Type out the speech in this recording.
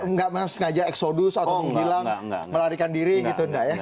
nggak sengaja eksodus atau menghilang melarikan diri gitu enggak ya